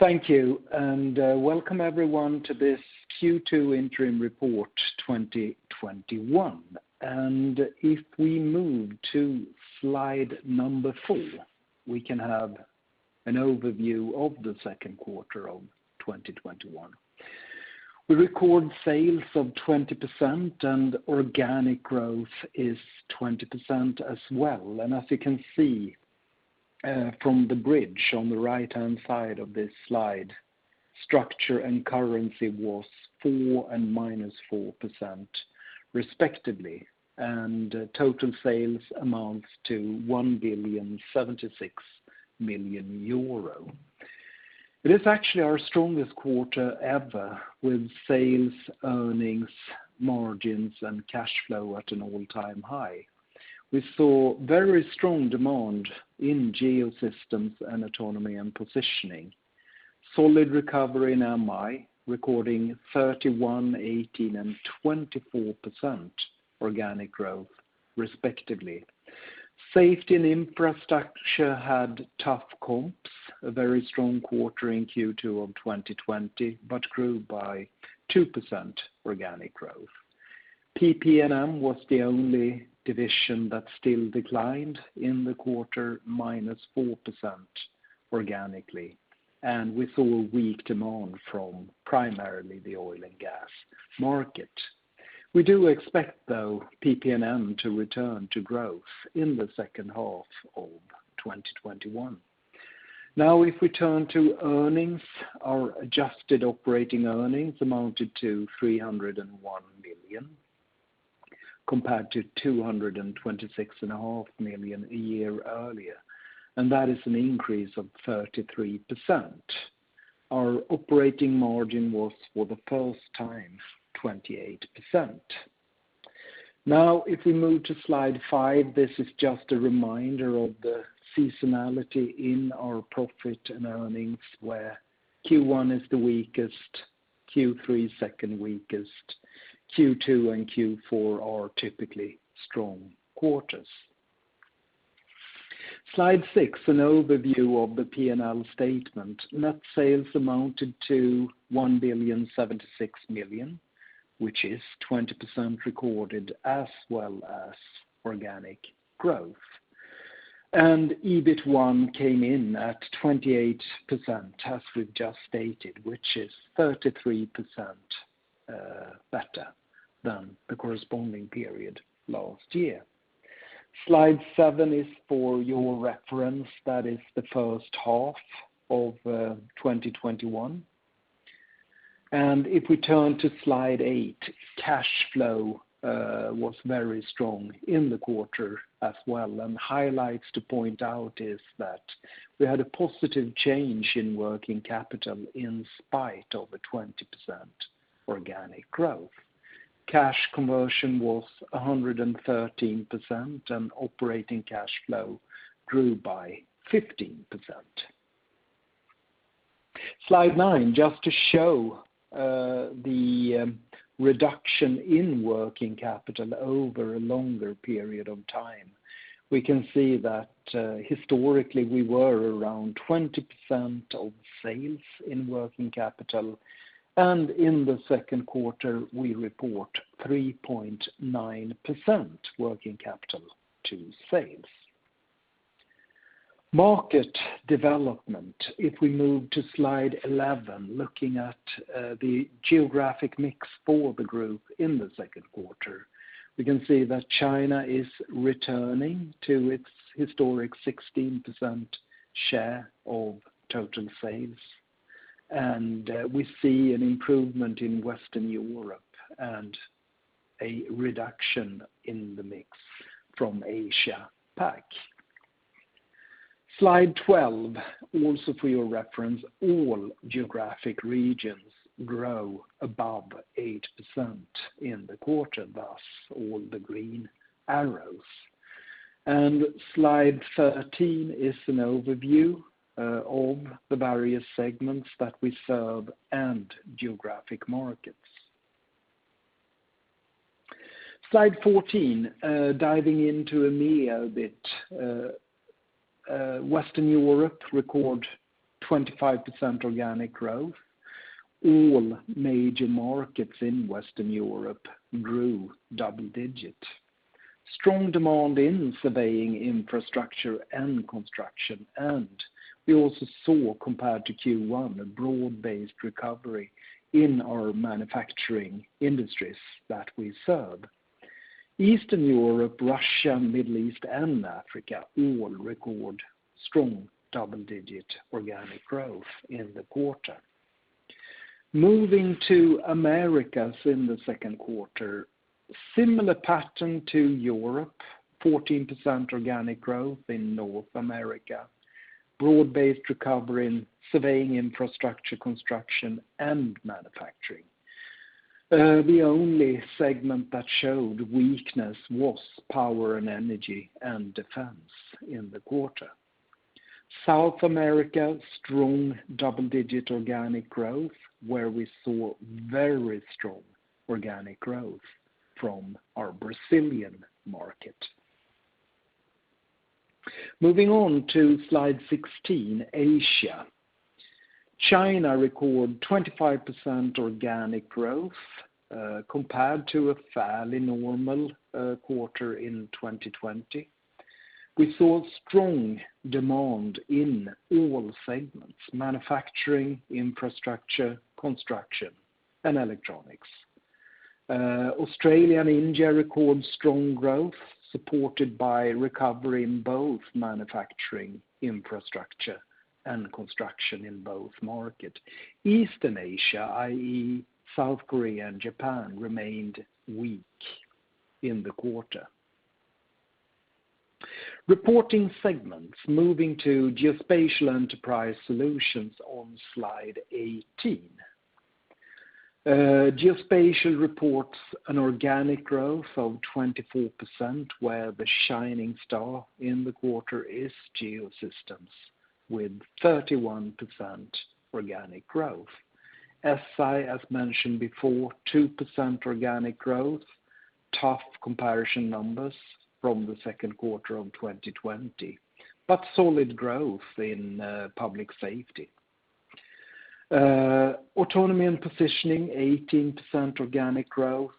Thank you, welcome everyone to this Q2 interim report 2021. If we move to slide number number four, we can have an overview of the second quarter of 2021. We record sales of 20%, and organic growth is 20% as well. As you can see from the bridge on the right-hand side of this slide, structure and currency was 4% and -4% respectively, and total sales amounts to 1,076 million euro. It is actually our strongest quarter ever with sales, earnings, margins, and cash flow at an all-time high. We saw very strong demand in Geosystems and Autonomy & Positioning. Solid recovery in MI, recording 31%, 18%, and 24% organic growth respectively. Safety & Infrastructure had tough comps, a very strong quarter in Q2 of 2020, but grew by 2% organic growth. PPM was the only division that still declined in the quarter, -4% organically. We saw weak demand from primarily the oil and gas market. We do expect, though, PPM to return to growth in the second half of 2021. If we turn to earnings, our adjusted operating earnings amounted to 301 million, compared to 226.5 million a year earlier, that is an increase of 33%. Our operating margin was, for the first time, 28%. If we move to slide five, this is just a reminder of the seasonality in our profit and earnings, where Q1 is the weakest, Q3 second weakest, Q2 and Q4 are typically strong quarters. Slide six, an overview of the P&L statement. Net sales amounted to 1,076 million, which is 20% recorded as well as organic growth. EBIT came in at 28%, as we've just stated, which is 33% better than the corresponding period last year. Slide seven is for your reference. That is the first half of 2021. If we turn to slide 8, cash flow was very strong in the quarter as well, and highlights to point out is that we had a positive change in working capital in spite of a 20% organic growth. Cash conversion was 113%, and operating cash flow grew by 15%. Slide 9, just to show the reduction in working capital over a longer period of time. We can see that historically we were around 20% of sales in working capital, and in the second quarter, we report 3.9% working capital to sales. Market Development. If we move to slide 11, looking at the geographic mix for the group in the second quarter. We can see that China is returning to its historic 16% share of total sales. We see an improvement in Western Europe and a reduction in the mix from Asia Pac. Slide 12, also for your reference, all geographic regions grow above 8% in the quarter, thus all the green arrows. Slide 13 is an overview of the various segments that we serve and geographic markets. Slide 14, diving into EMEA a bit. Western Europe record 25% organic growth. All major markets in Western Europe grew double-digit. Strong demand in surveying, infrastructure, and construction, and we also saw, compared to Q1, a broad-based recovery in our manufacturing industries that we serve. Eastern Europe, Russia, Middle East, and Africa all record strong double-digit organic growth in the quarter. Moving to Americas in the 2nd quarter, similar pattern to Europe, 14% organic growth in North America. Broad-based recovery in surveying, infrastructure, construction, and manufacturing. The only segment that showed weakness was power and energy and defense in the quarter. South America, strong double-digit organic growth, where we saw very strong organic growth from our Brazilian market. Moving on to slide 16, Asia. China record 25% organic growth compared to a fairly normal quarter in 2020. We saw strong demand in all segments, manufacturing, infrastructure, construction, and electronics. Australia and India record strong growth, supported by recovery in both manufacturing, infrastructure, and construction in both markets. Eastern Asia, i.e., South Korea and Japan, remained weak in the quarter. Reporting segments, moving to Geospatial Enterprise Solutions on Slide 18. Geospatial reports an organic growth of 24%, where the shining star in the quarter is Geosystems with 31% organic growth. SI, as mentioned before, 2% organic growth, tough comparison numbers from the second quarter of 2020, but solid growth in public safety. Autonomy & Positioning, 18% organic growth.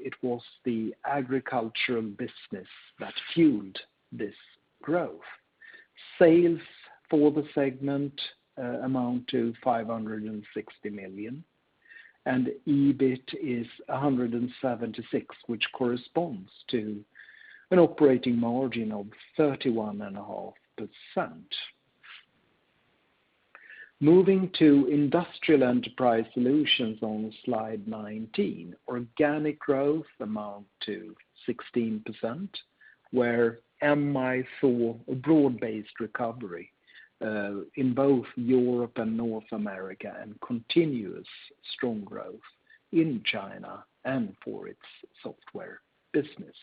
It was the agricultural business that fueled this growth. Sales for the segment amount to 560 million. EBIT is 176 million, which corresponds to an operating margin of 31.5%. Moving to Industrial Enterprise Solutions on Slide 19. Organic growth amount to 16%, where MI saw a broad-based recovery in both Europe and North America and continuous strong growth in China and for its software business.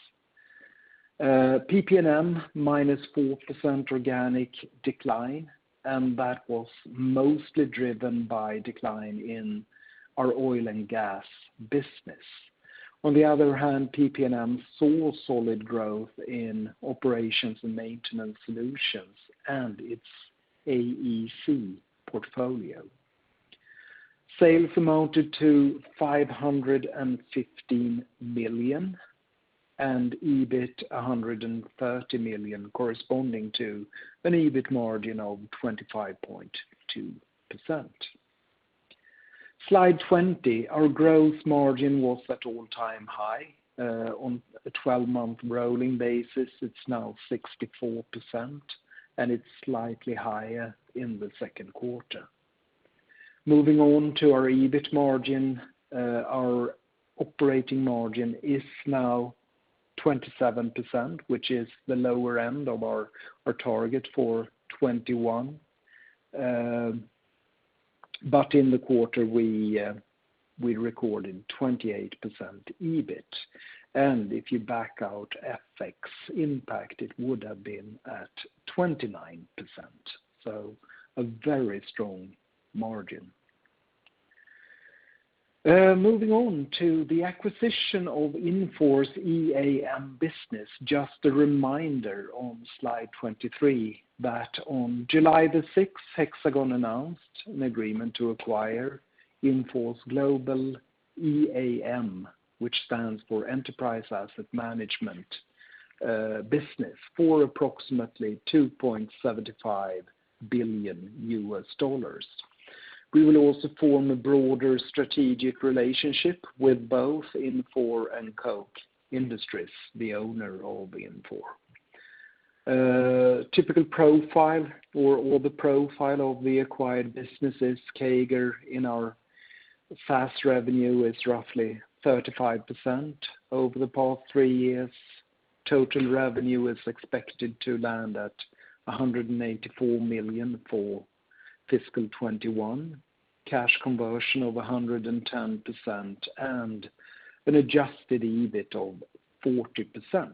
PPM, -4% organic decline. That was mostly driven by decline in our oil and gas business. On the other hand, PPM saw solid growth in operations and maintenance solutions and its AEC portfolio. Sales amounted to 515 million and EBIT 130 million, corresponding to an EBIT margin of 25.2%. Slide 20, our growth margin was at all-time high. On a 12-month rolling basis, it's now 64%. It's slightly higher in the second quarter. Moving on to our EBIT margin, our operating margin is now 27%, which is the lower end of our target for 2021. In the quarter, we recorded 28% EBIT. If you back out FX impact, it would have been at 29%, so a very strong margin. Moving on to the acquisition of Infor's EAM business, just a reminder on slide 23 that on July the 6th, Hexagon announced an agreement to acquire Infor's global EAM, which stands for Enterprise Asset Management, business for approximately $2.75 billion. We will also form a broader strategic relationship with both Infor and Koch Industries, the owner of Infor. Typical profile or the profile of the acquired businesses, CAGR in our SaaS revenue is roughly 35% over the past three years. Total revenue is expected to land at 184 million for fiscal 2021. Cash conversion of 110% and an adjusted EBIT of 40%.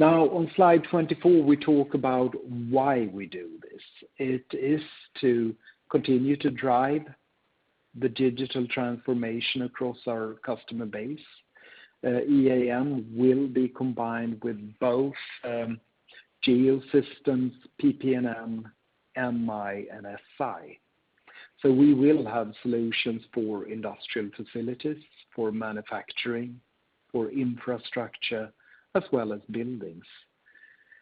On slide 24, we talk about why we do this. It is to continue to drive the digital transformation across our customer base. EAM will be combined with both Geosystems, PP&M, MI and SI. We will have solutions for industrial facilities, for manufacturing, for infrastructure, as well as buildings.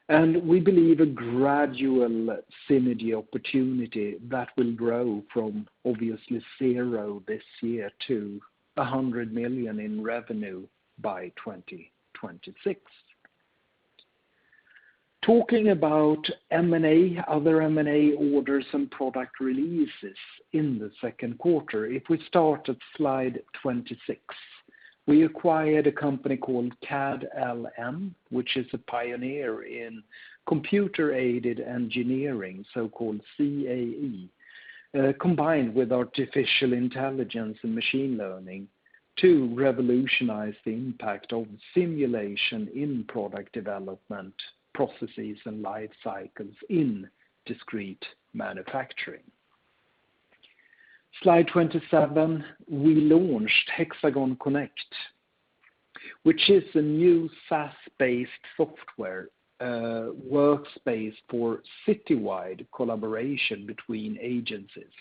We believe a gradual synergy opportunity that will grow from obviously zero this year to 100 million in revenue by 2026. Talking about M&A, other M&A orders and product releases in the second quarter, if we start at slide 26. We acquired a company called CADLM, which is a pioneer in computer-aided engineering, so-called CAE, combined with artificial intelligence and machine learning to revolutionize the impact of simulation in product development processes and life cycles in discrete manufacturing. Slide 27. We launched HxGN Connect, which is a new SaaS-based software workspace for citywide collaboration between agencies.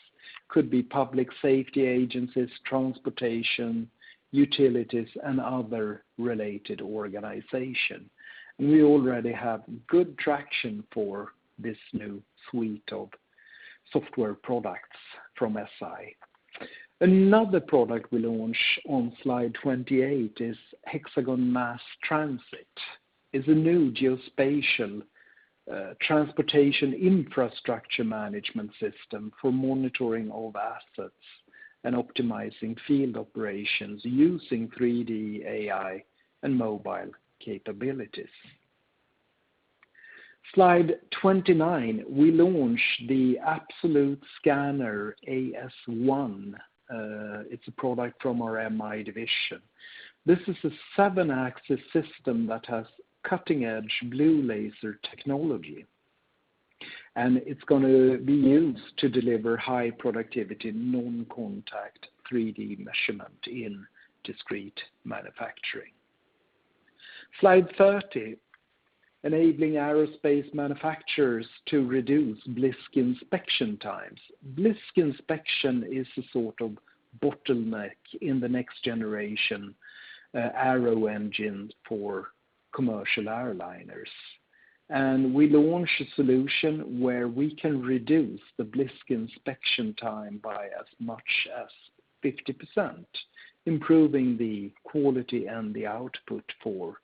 Could be public safety agencies, transportation, utilities, and other related organization. We already have good traction for this new suite of software products from SI. Another product we launched on slide 28 is HxGN Mass Transit. It is a new geospatial transportation infrastructure management system for monitoring of assets and optimizing field operations using 3D, AI, and mobile capabilities. Slide 29. We launched the Absolute Scanner AS1. It's a product from our MI division. This is a seven-axis system that has cutting-edge blue laser technology, and it's going to be used to deliver high productivity non-contact 3D measurement in discrete manufacturing. Slide 30. Enabling aerospace manufacturers to reduce blisk inspection times. Blisk inspection is a sort of bottleneck in the next generation aero engine for commercial airliners. We launched a solution where we can reduce the blisk inspection time by as much as 50%, improving the quality and the output for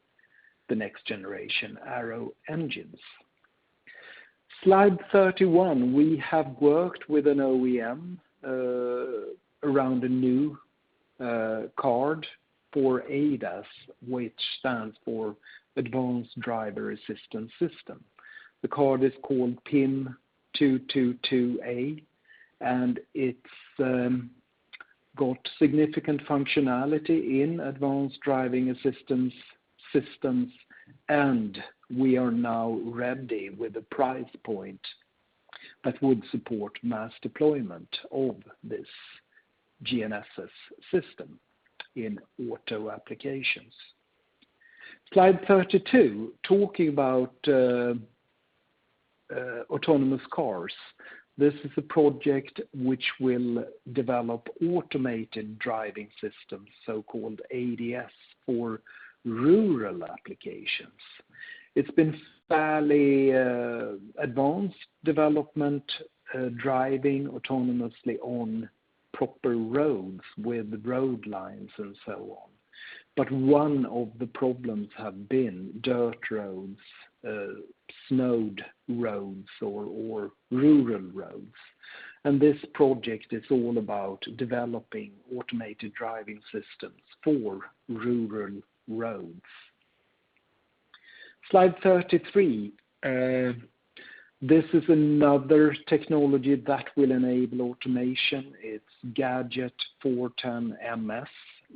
the next generation aero engines. Slide 31. We have worked with an OEM around a new card for ADAS, which stands for Advanced Driver-Assistance System. The card is called PIM222A, and it's got significant functionality in advanced driving assistance systems, and we are now ready with a price point that would support mass deployment of this GNSS system in auto applications. Slide 32. Talking about autonomous cars. This is a project which will develop automated driving systems, so-called ADS, for rural applications. It's been fairly advanced development, driving autonomously on proper roads with road lines and so on. One of the problems have been dirt roads, snowed roads, or rural roads. This project is all about developing automated driving systems for rural roads. Slide 33. This is another technology that will enable automation. It's GAJT-410MS,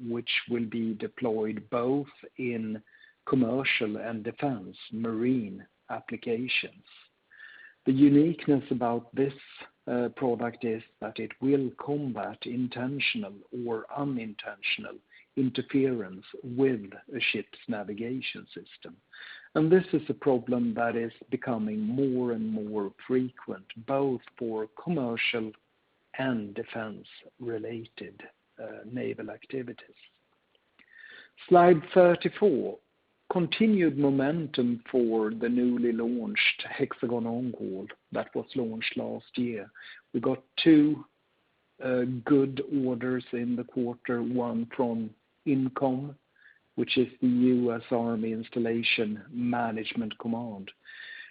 which will be deployed both in commercial and defense marine applications. The uniqueness about this product is that it will combat intentional or unintentional interference with a ship's navigation system. This is a problem that is becoming more and more frequent, both for commercial and defense-related naval activities. Slide 34. Continued momentum for the newly launched HxGN OnCall that was launched last year. We got two good orders in the quarter, one from IMCOM, which is the U.S. Army Installation Management Command,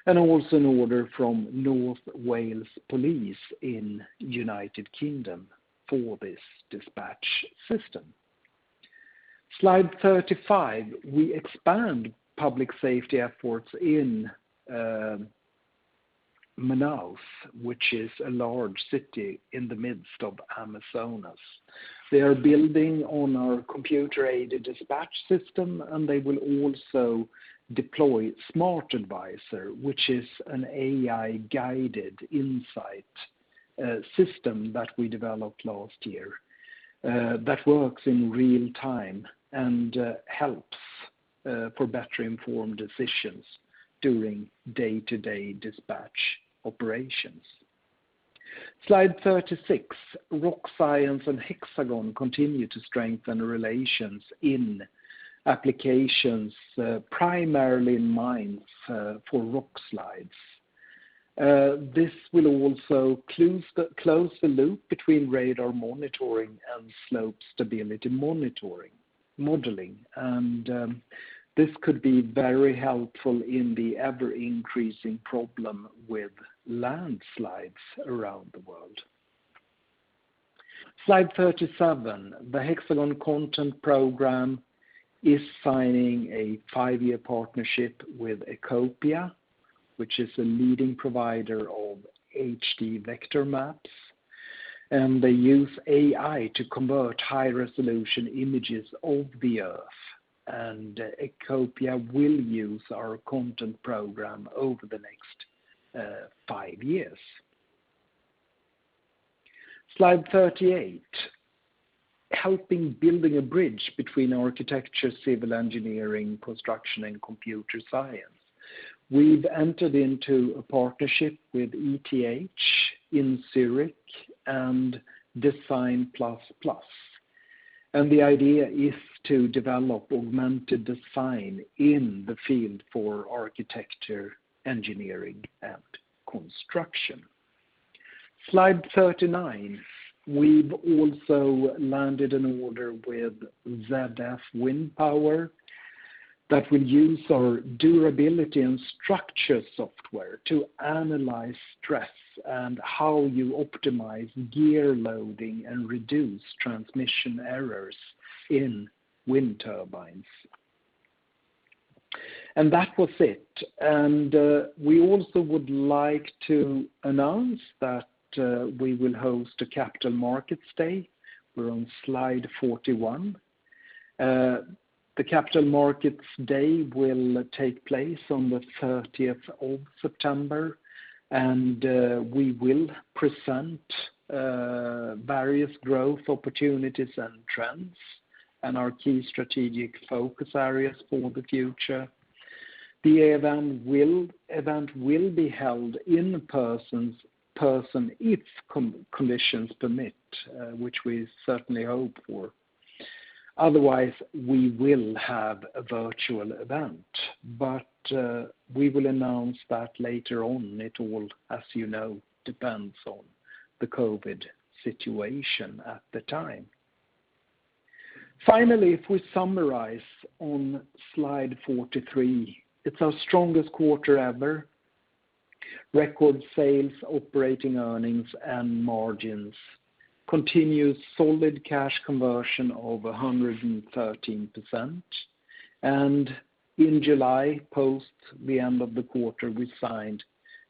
and also an order from North Wales Police in U.K. for this dispatch system. Slide 35. We expand public safety efforts in Manaus, which is a large city in the midst of Amazonas. They are building on our computer-aided dispatch system. They will also deploy Smart Advisor, which is an AI-guided insight system that we developed last year that works in real time and helps for better-informed decisions during day-to-day dispatch operations. Slide 36. Rocscience and Hexagon continue to strengthen relations in applications, primarily in mines for rockslides. This will also close the loop between radar monitoring and slope stability modeling. This could be very helpful in the ever-increasing problem with landslides around the world. Slide 37. The HxGN Content Program is signing a five-year partnership with Ecopia, which is a leading provider of HD vector maps. They use AI to convert high-resolution images of the Earth. Ecopia will use our Content Program over the next five years. Slide 38, helping building a bridge between architecture, civil engineering, construction, and computer science. We've entered into a partnership with ETH in Zurich and Design++, the idea is to develop augmented design in the field for architecture, engineering, and construction. Slide 39. We've also landed an order with ZF Wind Power that will use our durability and structure software to analyze stress and how you optimize gear loading and reduce transmission errors in wind turbines. That was it. We also would like to announce that we will host a Capital Markets Day, we're on slide 41. The Capital Markets Day will take place on the 30th of September, we will present various growth opportunities and trends and our key strategic focus areas for the future. The event will be held in-person if conditions permit, which we certainly hope for. Otherwise, we will have a virtual event. We will announce that later on. It will, as you know, depends on the COVID situation at the time. Finally, if we summarize on slide 43, it's our strongest quarter ever. Record sales, operating earnings, and margins. Continuous solid cash conversion of 113%. In July, post the end of the quarter, we signed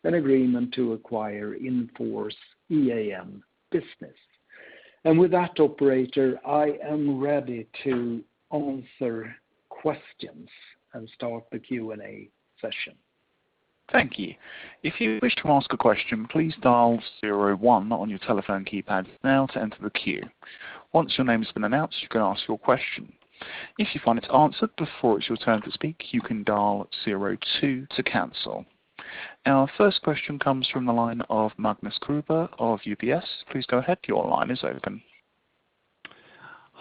an agreement to acquire Infor EAM business. With that operator, I am ready to answer questions and start the Q&A session. Thank you. If you wish to ask a question please dial zero one on your telephone keypad now to enter the queue. Once your name is announced you can ask your question. If you cant answer before your turn to speak, you can dial zero two to cancel. Our first question comes from the line of Magnus Kruber of UBS. Please go ahead. Your line is open.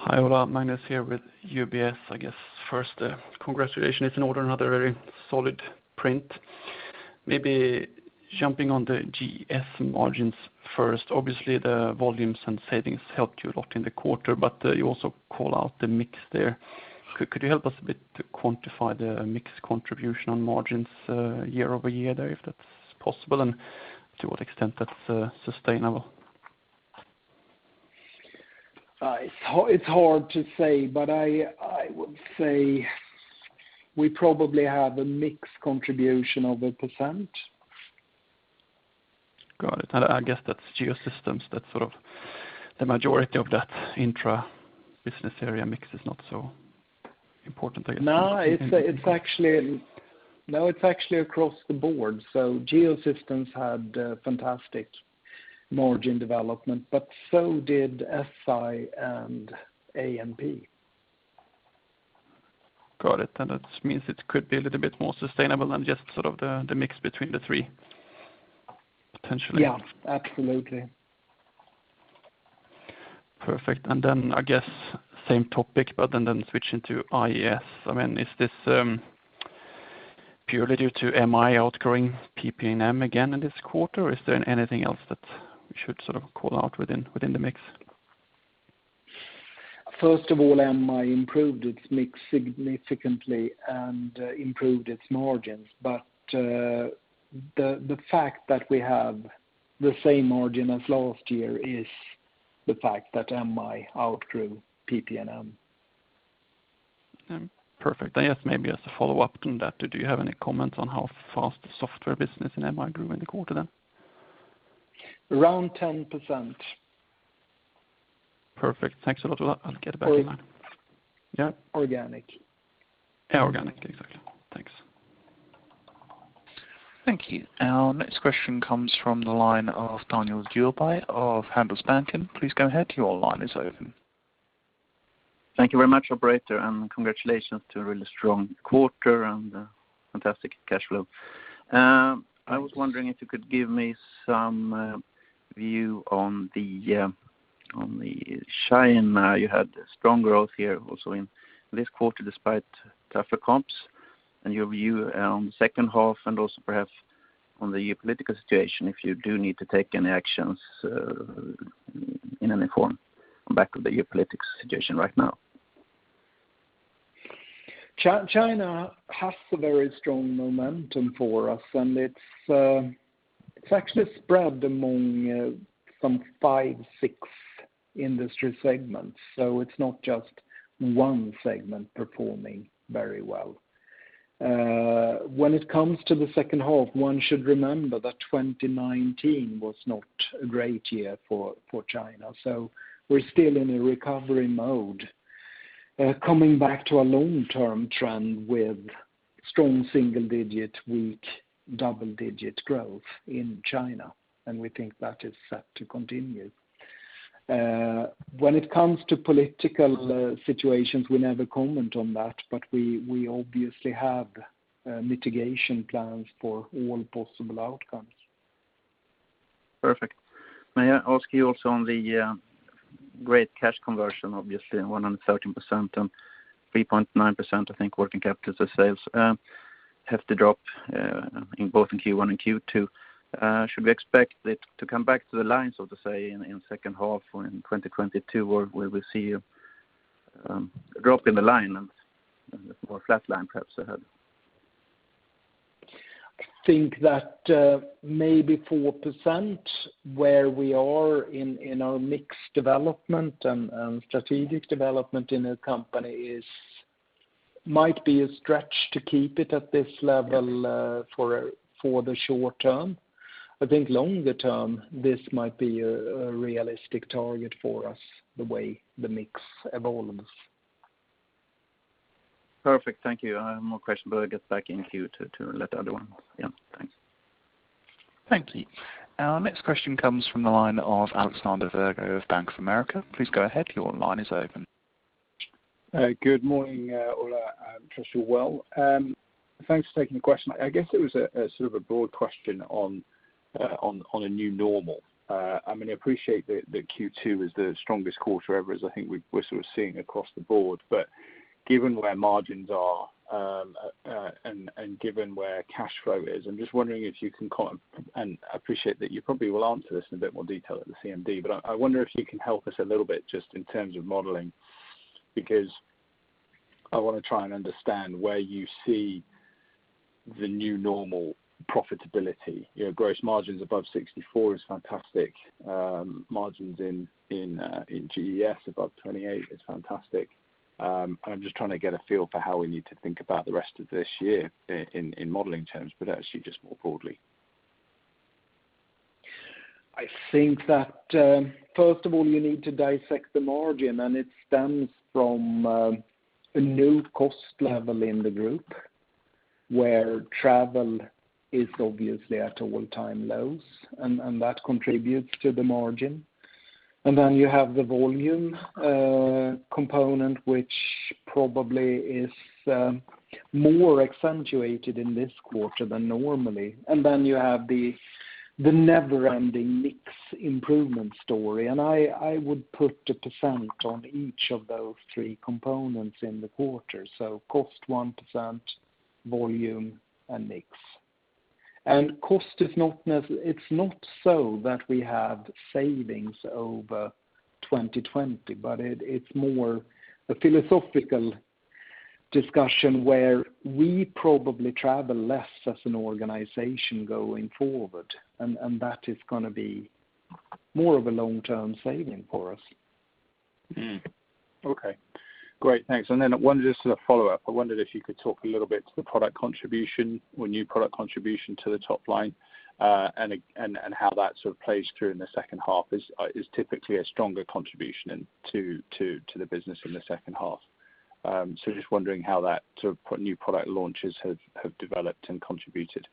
Hi, Ola. Magnus here with UBS. First, congratulations in order, another very solid print. Jumping on the GES margins first, obviously the volumes and savings helped you a lot in the quarter. You also call out the mix there. Could you help us a bit to quantify the mix contribution on margins year-over-year there, if that's possible, and to what extent that's sustainable? It's hard to say, but I would say we probably have a mix contribution of 1%. Got it. I guess that's Geosystems that's the majority of that intra-business area mix is not so important, I guess. No, it is actually across the board. Geosystems had a fantastic margin development, but so did SI and A&P. Got it. It means it could be a little bit more sustainable than just the mix between the three, potentially. Yeah, absolutely. Perfect. I guess same topic, switching to IES. Is this purely due to MI outgrowing PPM again in this quarter, or is there anything else that we should call out within the mix? First of all, MI improved its mix significantly and improved its margins. The fact that we have the same margin as last year is the fact that MI outgrew PPM. Perfect. I guess maybe as a follow-up to that, do you have any comments on how fast the software business in MI grew in the quarter then? Around 10%. Perfect. Thanks a lot. I'll get back in line. Organic. Organic. Exactly. Thanks. Thank you. Our next question comes from the line of Daniel Djurberg of Handelsbanken. Please go ahead. Your line is open. Thank you very much, operator, and congratulations to a really strong quarter and a fantastic cash flow. I was wondering if you could give me some view on the China. You had strong growth here also in this quarter, despite tougher comps, and your view on the second half and also perhaps on the geopolitical situation, if you do need to take any actions in any form on back of the geopolitical situation right now. China has a very strong momentum for us, and it's actually spread among some five, six industry segments, so it's not just one segment performing very well. When it comes to the second half, one should remember that 2019 was not a great year for China, so we're still in a recovery mode. Coming back to a long-term trend with strong single-digit, weak double-digit growth in China, and we think that is set to continue. When it comes to political situations, we never comment on that, but we obviously have mitigation plans for all possible outcomes. Perfect. May I ask you also on the great cash conversion, obviously 113% on 3.9%, I think, working capital to sales have to drop both in Q1 and Q2. Should we expect it to come back to the line, so to say, in the second half or in 2022, or will we see a drop in the line and more flatline perhaps ahead? I think that maybe 4%, where we are in our mix development and strategic development in the company, might be a stretch to keep it at this level for the short term. I think longer term, this might be a realistic target for us, the way the mix evolves. Perfect. Thank you. I have more questions, but I'll get back in queue to let the other one. Yeah, thanks. Thank you. Our next question comes from the line of Alexander Virgo of Bank of America. Please go ahead. Good morning, Ola, I trust you're well. Thanks for taking the question. I guess it was a sort of a broad question on a new normal. I appreciate that Q2 is the strongest quarter ever, as I think we're sort of seeing across the board. Given where margins are and given where cash flow is, I'm just wondering if you can comment, and I appreciate that you probably will answer this in a bit more detail at the CMD, but I wonder if you can help us a little bit just in terms of modeling, because I want to try and understand where you see the new normal profitability. Gross margins above 64 is fantastic. Margins in GES above 28 is fantastic. I'm just trying to get a feel for how we need to think about the rest of this year in modeling terms, but actually just more broadly. I think that first of all, you need to dissect the margin, and it stems from a new cost level in the group where travel is obviously at all-time lows, and that contributes to the margin. Then you have the volume component, which probably is more accentuated in this quarter than normally. Then you have the never-ending mix improvement story. I would put a percent on each of those three components in the quarter. Cost, 1%, volume, and mix. Cost, it's not so that we had savings over 2020, but it's more a philosophical discussion where we probably travel less as an organization going forward, and that is going to be more of a long-term saving for us. Okay, great. Thanks. Just as a follow-up, I wondered if you could talk a little bit to the product contribution or new product contribution to the top line and how that sort of plays through in the second half. Is typically a stronger contribution to the business in the second half? Just wondering how that sort of new product launches have developed and contributed.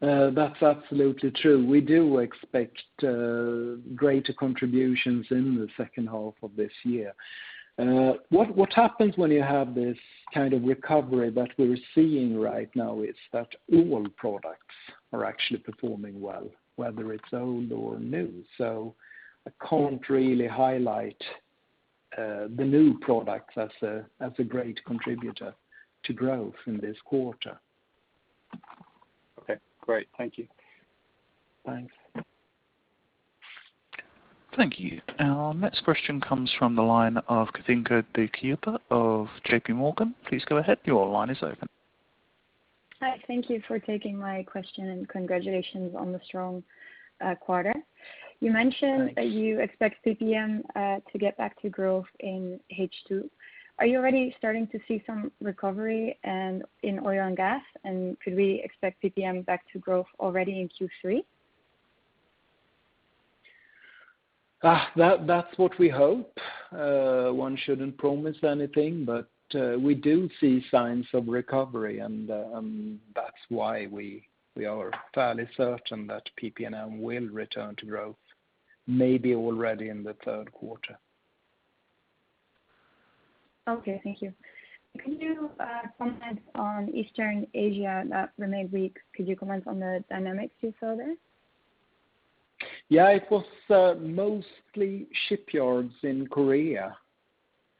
That's absolutely true. We do expect greater contributions in the second half of this year. What happens when you have this kind of recovery that we're seeing right now is that all products are actually performing well, whether it's old or new. I can't really highlight the new product as a great contributor to growth in this quarter. Okay, great. Thank you. Thanks. Thank you. Our next question comes from the line of Katinka De Kepper of JPMorgan. Please go ahead. Your line is open. Hi. Thank you for taking my question, and congratulations on the strong quarter. Thanks. You mentioned that you expect PPM to get back to growth in H2. Are you already starting to see some recovery in oil and gas? Could we expect PPM back to growth already in Q3? That's what we hope. One shouldn't promise anything, but we do see signs of recovery, and that's why we are fairly certain that PPM will return to growth, maybe already in the third quarter. Okay, thank you. Can you comment on Eastern Asia that remained weak? Could you comment on the dynamics you saw there? Yeah, it was mostly shipyards in Korea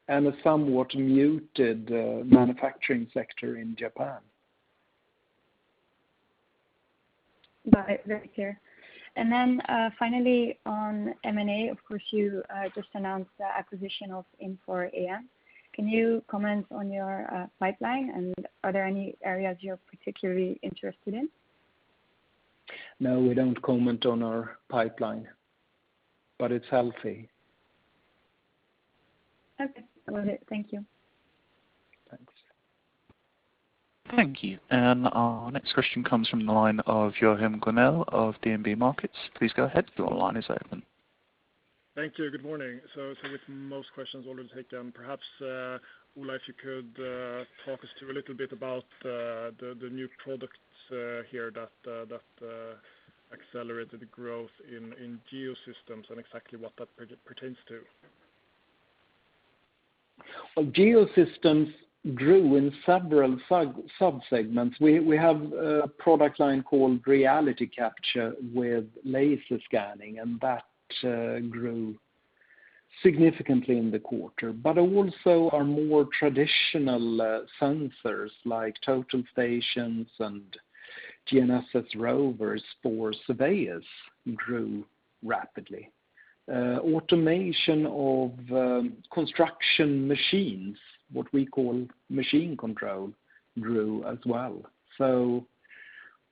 and a somewhat muted manufacturing sector in Japan. Got it. Very clear. Finally on M&A, of course, you just announced the acquisition of Infor EAM. Can you comment on your pipeline? Are there any areas you are particularly interested in? No, we don't comment on our pipeline, but it's healthy. Okay. Love it. Thank you. Thank you. Our next question comes from the line of Joachim Gunell of DNB Markets. Please go ahead. Your line is open. Thank you. Good morning. With most questions already taken, perhaps, Ola, if you could talk us through a little bit about the new products here that accelerated growth in Geosystems and exactly what that pertains to. Well, Geosystems grew in several sub-segments. We have a product line called reality capture with laser scanning, and that grew significantly in the quarter, but also our more traditional sensors like total stations and GNSS rovers for surveyors grew rapidly. Automation of construction machines, what we call machine control, grew as well.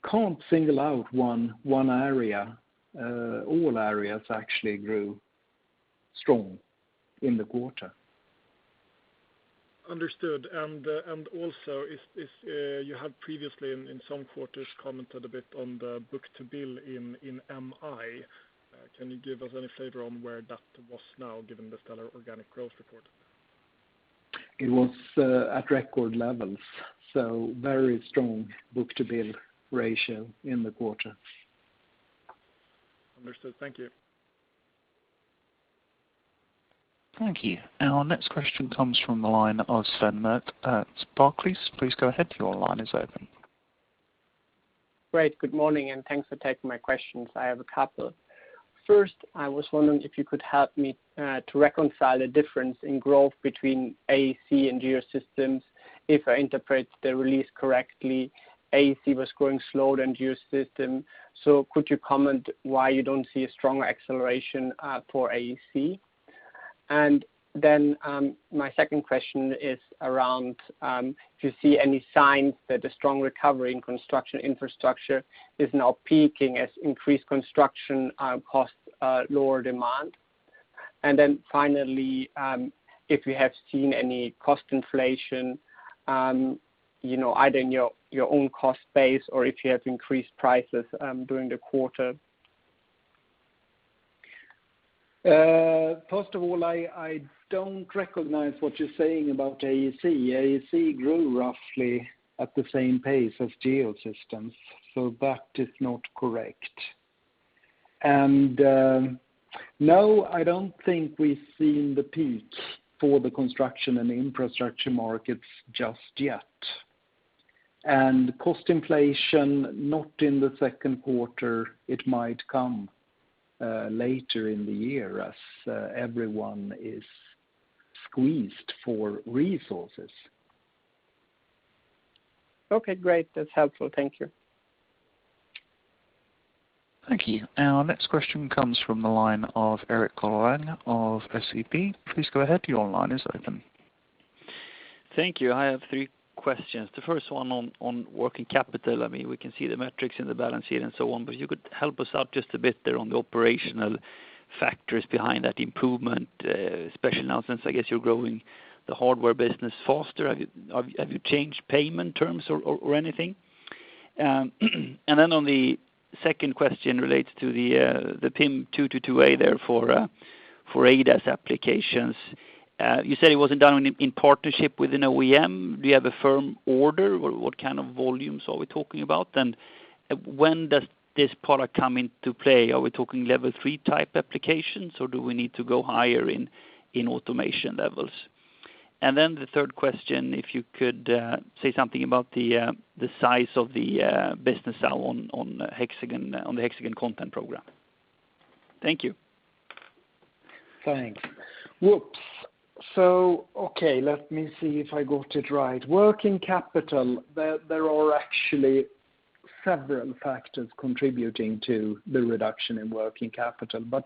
Can't single out one area. All areas actually grew strong in the quarter. Understood. Also, you had previously, in some quarters, commented a bit on the book-to-bill in MI. Can you give us any flavor on where that was now, given the stellar organic growth report? It was at record levels, so very strong book-to-bill ratio in the quarter. Understood. Thank you. Thank you. Our next question comes from the line of Sven Merkt at Barclays. Great. Good morning, thanks for taking my questions. I have a couple. First, I was wondering if you could help me to reconcile a difference in growth between AEC and Geosystems. If I interpret the release correctly, AEC was growing slower than Geosystems. Could you comment why you don't see a strong acceleration for AEC? My second question is around, if you see any signs that the strong recovery in construction infrastructure is now peaking as increased construction costs lower demand. Finally, if you have seen any cost inflation, either in your own cost base or if you have increased prices during the quarter. First of all, I don't recognize what you're saying about AEC. AEC grew roughly at the same pace as Geosystems. That is not correct. No, I don't think we've seen the peak for the construction and infrastructure markets just yet. Cost inflation, not in the second quarter. It might come later in the year as everyone is squeezed for resources. Okay, great. That's helpful. Thank you. Thank you. Our next question comes from the line of Erik Golrang of SEB. Please go ahead. Thank you. I have three questions. The first one on working capital. We can see the metrics in the balance sheet and so on, but you could help us out just a bit there on the operational factors behind that improvement, especially now since I guess you're growing the hardware business faster. Have you changed payment terms or anything? The second question relates to the PIM222A there for ADAS applications. You said it wasn't done in partnership with an OEM. Do you have a firm order? What kind of volumes are we talking about? When does this product come into play? Are we talking level 3 type applications, or do we need to go higher in automation levels? The third question, if you could say something about the size of the business now on the HxGN Content Program. Thank you. Thanks. Whoops. Okay. Let me see if I got it right. Working capital, there are actually several factors contributing to the reduction in working capital, but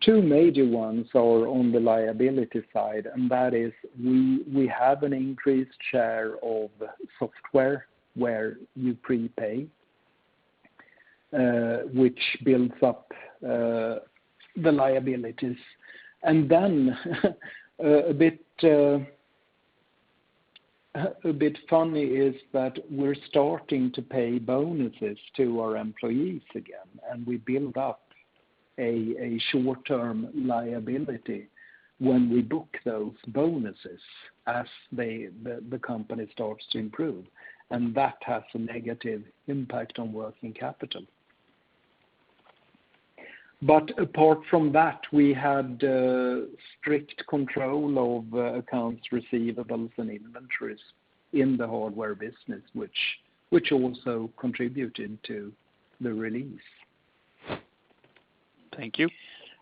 two major ones are on the liability side, and that is we have an increased share of software where you prepay, which builds up the liabilities. A bit funny is that we're starting to pay bonuses to our employees again, and we build up a short-term liability when we book those bonuses as the company starts to improve, and that has a negative impact on working capital. Apart from that, we had strict control of accounts receivables and inventories in the hardware business, which also contributed to the release. Thank you.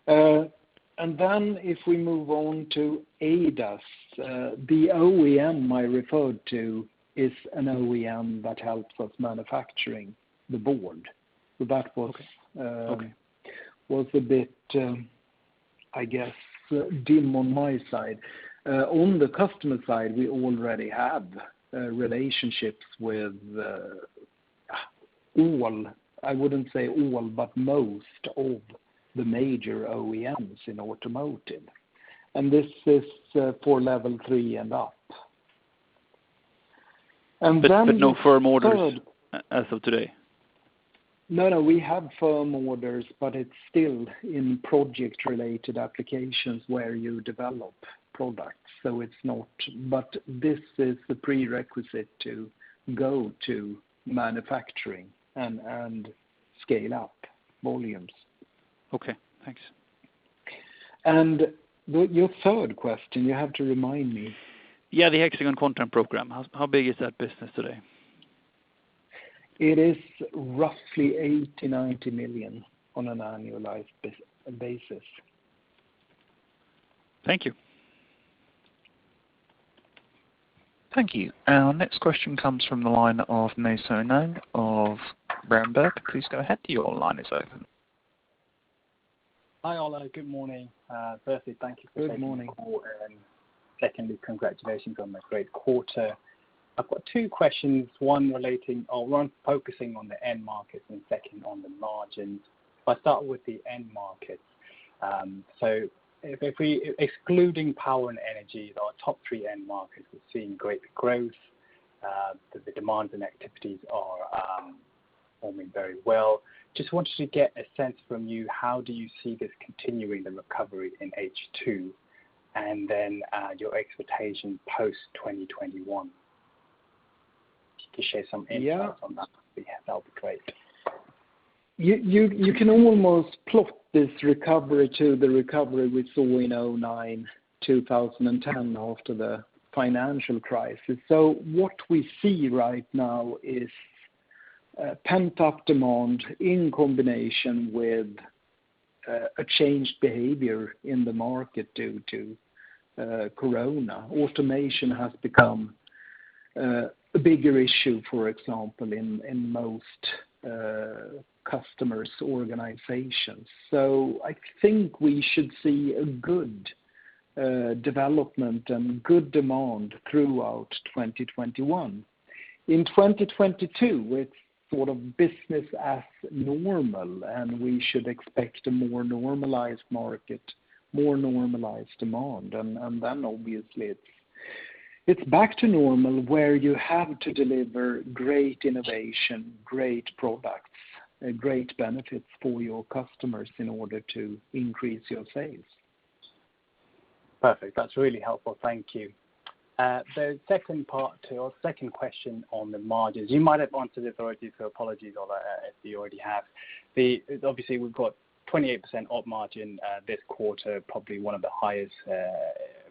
If we move on to ADAS, the OEM I referred to is an OEM that helps us manufacturing the board was a bit, I guess, dim on my side. On the customer side, we already have relationships with all, I wouldn't say all, but most of the major OEMs in automotive. This is for level 3 and up. No firm orders as of today? No, we have firm orders, but it's still in project-related applications where you develop products. This is the prerequisite to go to manufacturing and scale up volumes. Okay, thanks. Your third question, you have to remind me. Yeah, the Hexagon Content Program, how big is that business today? It is roughly 80 million-90 million on an annualized basis. Thank you. Thank you. Our next question comes from the line of Nay Soe Naing of Berenberg. Please go ahead. Your line is open. Hi, Ola. Good morning. Firstly, thank you for taking the call Good morning. Secondly, congratulations on the great quarter. I've got two questions. One focusing on the end markets, and second on the margins. If I start with the end markets. If we, excluding power and energy, our top three end markets have seen great growth, that the demands and activities are performing very well. Just wanted to get a sense from you, how do you see this continuing, the recovery in H2, and then your expectation post 2021? If you could share some insights on that would be great. You can almost plot this recovery to the recovery we saw in 2009, 2010 after the financial crisis. What we see right now is pent-up demand in combination with a changed behavior in the market due to Corona. Automation has become a bigger issue, for example, in most customers' organizations. I think we should see a good development and good demand throughout 2021. In 2022, it's sort of business as normal, and we should expect a more normalized market, more normalized demand. Obviously it's back to normal, where you have to deliver great innovation, great products, great benefits for your customers in order to increase your sales. Perfect. That's really helpful. Thank you. Second part to our second question on the margins. You might have answered already, so apologies, Ola, if you already have. Obviously, we've got 28% odd margin this quarter, probably one of the highest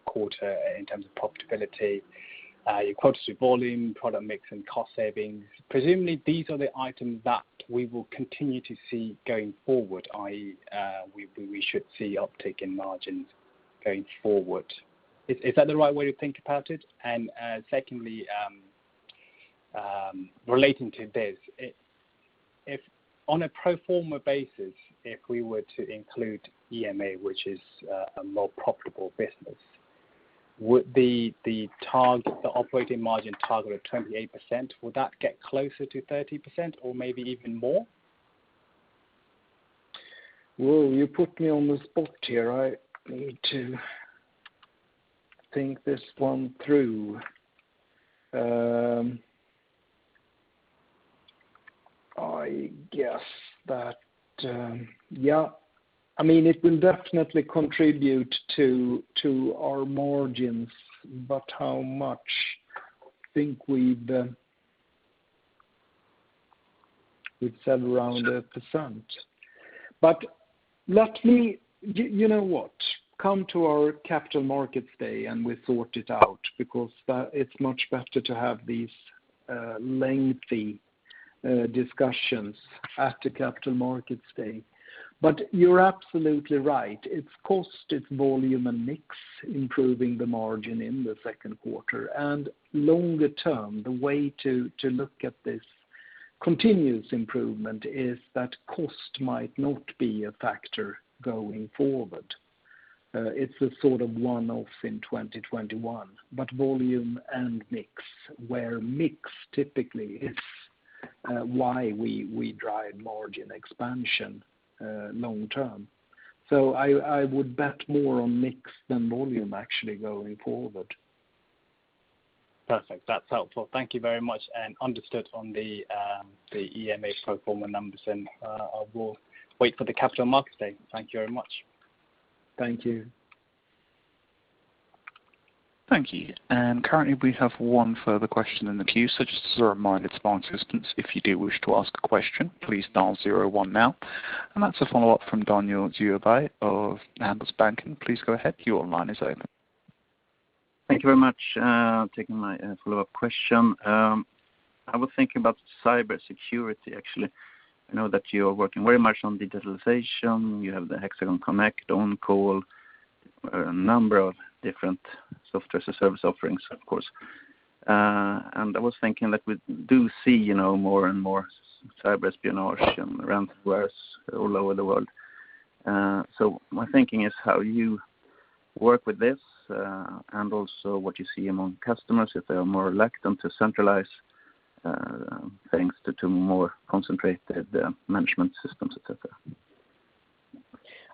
quarter in terms of profitability. Your quantity volume, product mix, and cost savings, presumably these are the items that we will continue to see going forward, i.e., we should see uptick in margins going forward. Is that the right way to think about it? Secondly, relating to this, on a pro forma basis, if we were to include EAM, which is a more profitable business, would the operating margin target of 28%, would that get closer to 30% or maybe even more? Whoa, you put me on the spot here. I need to think this one through. I guess that it will definitely contribute to our margins, but how much? I think we'd said around 1%. You know what? Come to our Capital Markets Day, and we sort it out, because it's much better to have these lengthy discussions at the Capital Markets Day. You're absolutely right. It's cost, it's volume, and mix improving the margin in the second quarter. Longer term, the way to look at this continuous improvement is that cost might not be a factor going forward. It's a sort of one-off in 2021. Volume and mix, where mix typically is why we drive margin expansion long term. I would bet more on mix than volume actually going forward. Perfect. That's helpful. Thank you very much. Understood on the EAM pro forma numbers. I will wait for the Capital Markets Day. Thank you very much. Thank you. Thank you. Currently we have one further question in the queue. Just as a reminder to our assistance, if you do wish to ask a question, please dial zero one now. That's a follow-up from Daniel Djurberg of Handelsbanken. Please go ahead. Your line is open. Thank you very much. Taking my follow-up question. I was thinking about cybersecurity, actually. I know that you are working very much on digitalization. You have the HxGN Connect, OnCall, a number of different software service offerings, of course. I was thinking that we do see more and more cyber espionage and ransomware all over the world. My thinking is how you work with this, and also what you see among customers, if they are more reluctant to centralize things to more concentrate their management systems, et cetera.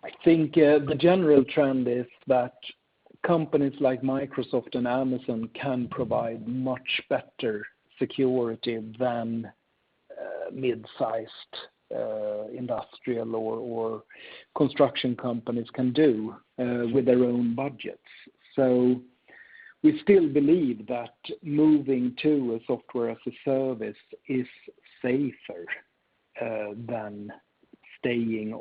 I think the general trend is that companies like Microsoft and Amazon can provide much better security than mid-sized industrial or construction companies can do with their own budgets. We still believe that moving to a Software as a Service is safer than staying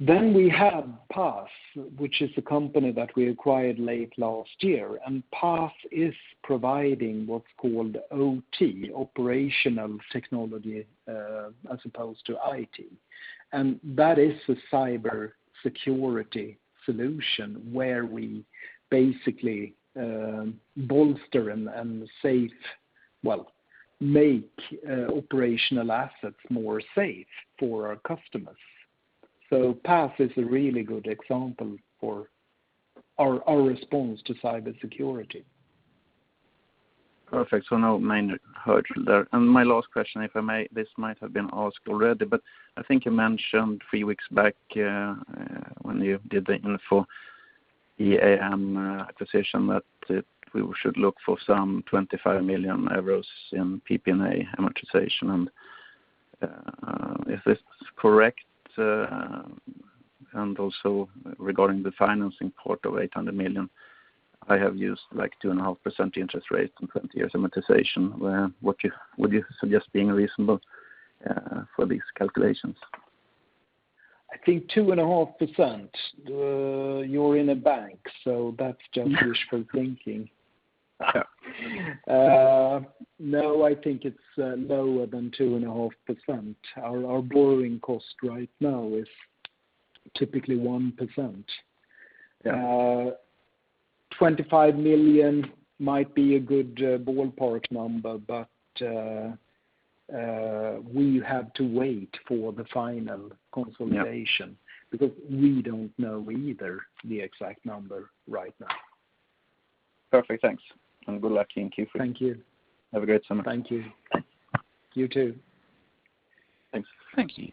on-prem. We have PAS, which is a company that we acquired late last year, and PAS is providing what's called OT, operational technology, as opposed to IT. That is a cybersecurity solution where we basically bolster and make operational assets more safe for our customers. PAS is a really good example for our response to cybersecurity. Perfect. No main hurdle there. My last question, if I may, this might have been asked already, but I think you mentioned three weeks back, when you did the Infor EAM acquisition, that we should look for some 25 million euros in PPA amortization, and if this is correct, and also regarding the financing port of 800 million, I have used 2.5% interest rate and 20 years amortization. Would you suggest being reasonable for these calculations? I think 2.5%, you're in a bank, that's just wishful thinking. Yeah. No, I think it's lower than 2.5%. Our borrowing cost right now is typically 1%. Yeah. 25 million might be a good ballpark number, but we have to wait for the final consolidation because we don't know either the exact number right now. Perfect. Thanks. Good luck in Q3. Thank you. Have a great summer. Thank you. You too. Thanks. Thank you.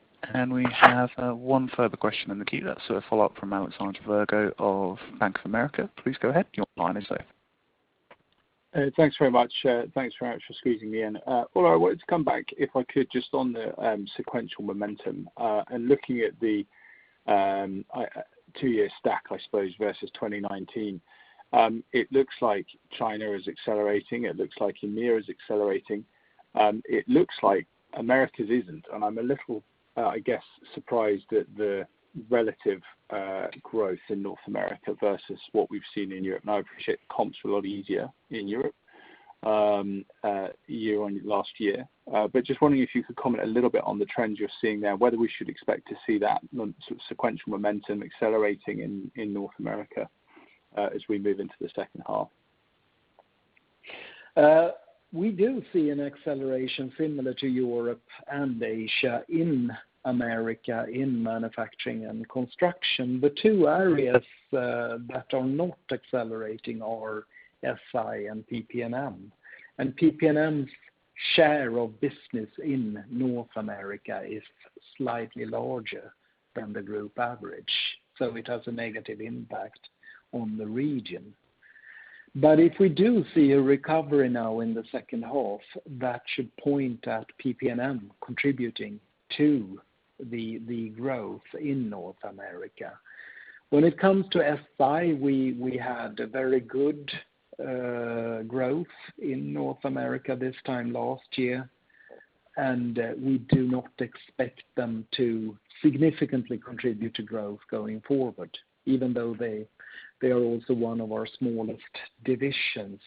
We have one further question in the queue. That's a follow-up from Alexander Virgo of Bank of America. Please go ahead, your line is open. Thanks very much. Thanks very much for squeezing me in. Ola, I wanted to come back, if I could, just on the sequential momentum, and looking at the two-year stack, I suppose, versus 2019. It looks like China is accelerating. It looks like EMEA is accelerating. It looks like Americas isn't, and I'm a little, I guess, surprised at the relative growth in North America versus what we've seen in Europe. Now, I appreciate comps were a lot easier in Europe year on last year. Just wondering if you could comment a little bit on the trends you're seeing there, whether we should expect to see that sequential momentum accelerating in North America as we move into the second half. We do see an acceleration similar to Europe and Asia in the Americas in manufacturing and construction. The two areas that are not accelerating are SI and PP&M. PP&M's share of business in North America is slightly larger than the group average, so it has a negative impact on the region. If we do see a recovery now in the second half, that should point at PP&M contributing to the growth in North America. When it comes to SI, we had very good growth in North America this time last year, and we do not expect them to significantly contribute to growth going forward, even though they are also one of our smallest divisions.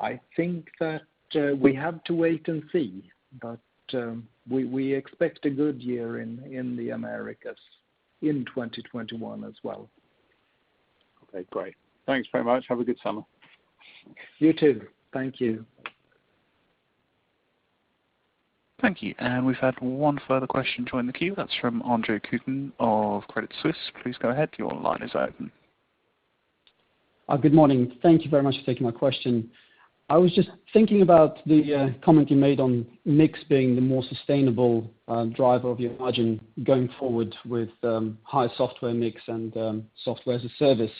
I think that we have to wait and see. We expect a good year in the Americas in 2021 as well. Okay, great. Thanks very much. Have a good summer. You too. Thank you. Thank you. We've had one further question join the queue. That's from Andre Kukhnin of Credit Suisse. Please go ahead. Your line is open. Good morning. Thank you very much for taking my question. I was just thinking about the comment you made on mix being the more sustainable driver of your margin going forward with higher software mix and Software as a Service.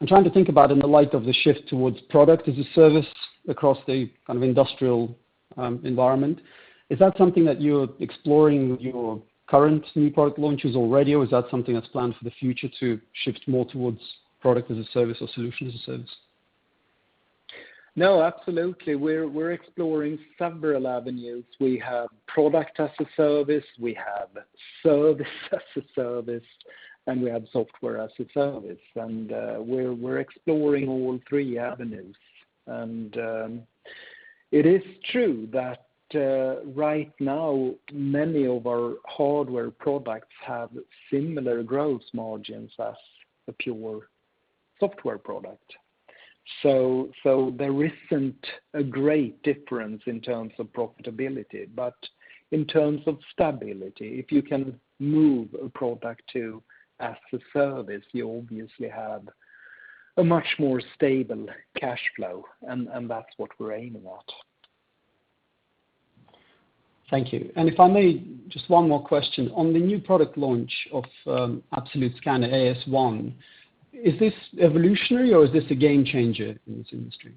I'm trying to think about in the light of the shift towards product as a service across the industrial environment. Is that something that you're exploring with your current new product launches already, or is that something that's planned for the future to shift more towards product as a service or solution as a service? No, absolutely. We're exploring several avenues. We have product as a service, we have service as a service, and we have software as a service. We're exploring all 3 avenues. It is true that right now many of our hardware products have similar growth margins as a pure software product. There isn't a great difference in terms of profitability. In terms of stability, if you can move a product to as a service, you obviously have a much more stable cash flow, and that's what we're aiming at. Thank you. If I may, just one more question. On the new product launch of Absolute Scanner AS1, is this evolutionary or is this a game changer in this industry?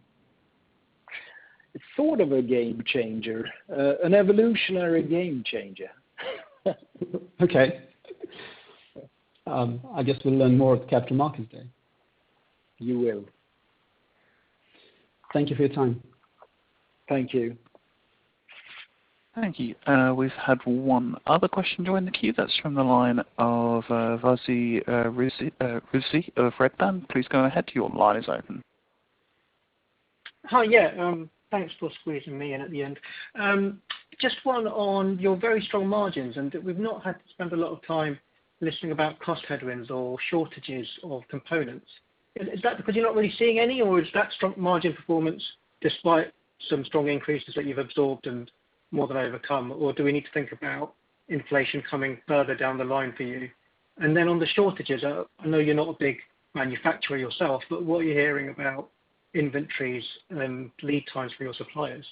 It's sort of a game changer, an evolutionary game changer. Okay. I guess we'll learn more at the Capital Markets Day. You will. Thank you for your time. Thank you. Thank you. We've had one other question join the queue. That's from the line of [Vasi Rusi of Redburn]. Please go ahead, your line is open. Hi, yeah. Thanks for squeezing me in at the end. Just one on your very strong margins. We've not had to spend a lot of time listening about cost headwinds or shortages of components. Is that because you're not really seeing any, or is that strong margin performance despite some strong increases that you've absorbed and more than overcome? Do we need to think about inflation coming further down the line for you? On the shortages, I know you're not a big manufacturer yourself, but what are you hearing about inventories and lead times for your suppliers?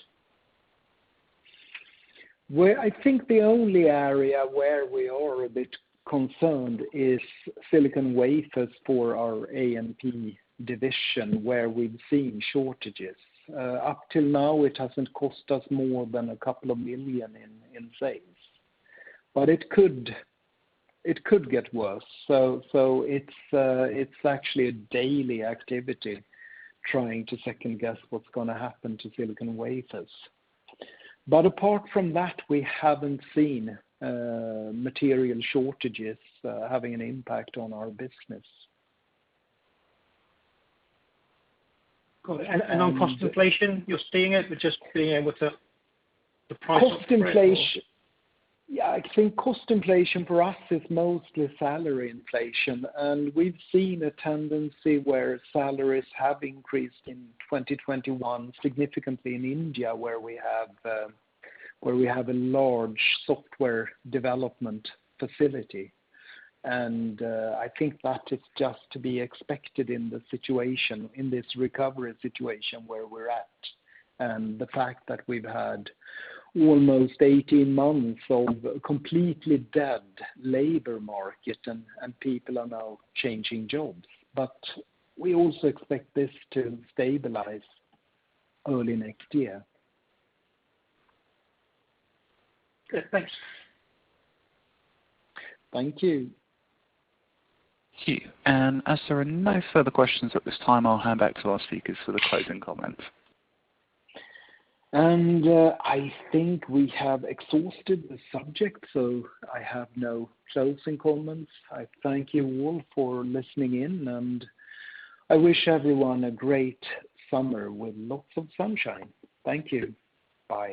I think the only area where we are a bit concerned is silicon wafers for our A&P division, where we've seen shortages. Up till now, it hasn't cost us more than a couple of million EUR in sales. It could get worse. It's actually a daily activity, trying to second-guess what's going to happen to silicon wafers. Apart from that, we haven't seen material shortages having an impact on our business. Got it. On cost inflation, you're seeing it, but just being able to. Cost inflation. Yeah, I think cost inflation for us is mostly salary inflation. We've seen a tendency where salaries have increased in 2021 significantly in India, where we have a large software development facility. I think that is just to be expected in this recovery situation where we're at, and the fact that we've had almost 18 months of a completely dead labor market, and people are now changing jobs. We also expect this to stabilize early next year. Good. Thanks. Thank you. Thank you. As there are no further questions at this time, I'll hand back to our speakers for the closing comments. I think we have exhausted the subject, so I have no closing comments. I thank you all for listening in, and I wish everyone a great summer with lots of sunshine. Thank you. Bye.